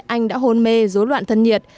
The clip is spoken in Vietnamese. anh đã hôn mê dối loạn thân nhiệt